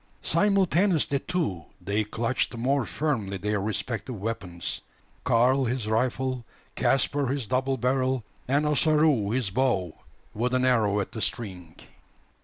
Simultaneously, too, they clutched more firmly their respective weapons Karl his rifle, Caspar his double barrel, and Ossaroo his bow, with an arrow at the string.